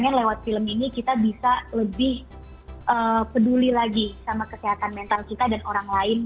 pengen lewat film ini kita bisa lebih peduli lagi sama kesehatan mental kita dan orang lain